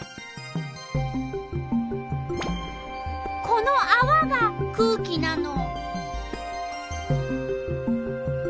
このあわが空気なの。